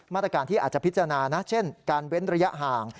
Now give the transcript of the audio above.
มาตรการที่อาจจะพิจารณานะเช่นการเว้นระยะห่าง